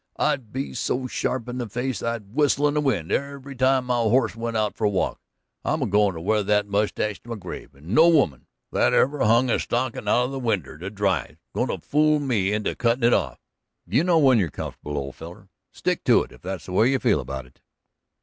I'd be so sharp in the face I'd whistle in the wind every time my horse went out of a walk. I'm a goin' to wear that mustache to my grave, and no woman that ever hung her stockin's out of the winder to dry's goin' to fool me into cuttin' it off." "You know when you're comfortable, old feller. Stick to it, if that's the way you feel about it."